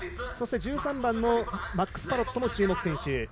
そして、１３番のマックス・パロットも注目選手。